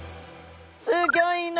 すギョいな。